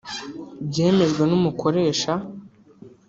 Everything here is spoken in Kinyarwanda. byemejwe n’umukoresha